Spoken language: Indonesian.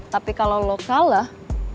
tapi kalau lo kalah